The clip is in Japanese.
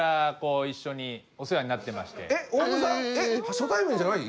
初対面じゃない？